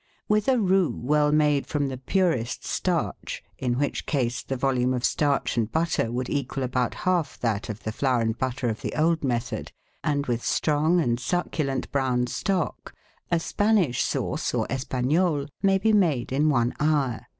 With a roux well made from the purest starch — in which case the volume of starch and butter would equal about half that of the flour and butter of the old method — and with strong and succulent brown stock, a Spanish sauce or Espagnole may be made in one hour.